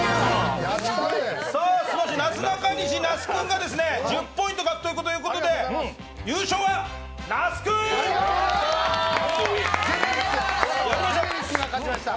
なすなかにし、那須君が１０ポイント獲得ということでジェネリックが勝ちました。